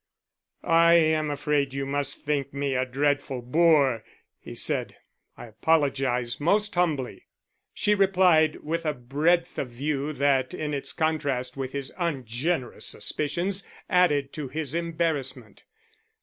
"I am afraid you must think me a dreadful boor," he said. "I apologize most humbly." She replied with a breadth of view that in its contrast with his ungenerous suspicions added to his embarrassment.